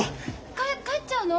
かえ帰っちゃうの？